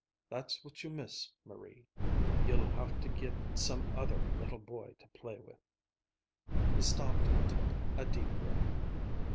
"That's what you miss, Marie. You'll have to get some other little boy to play with." He stopped and took a deep breath.